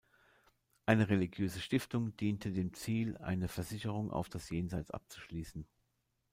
Eine religiöse Stiftung diente dem Ziel, eine Versicherung auf das Jenseits abzuschließen.